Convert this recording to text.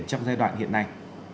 trong giai đoạn hiện nay